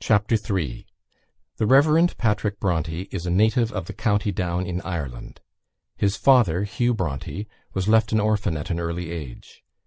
CHAPTER III The Rev. Patrick Bronte is a native of the County Down in Ireland. His father Hugh Bronte, was left an orphan at an early age.